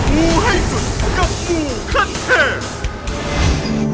งูให้สุดกับงูขั้นเทพ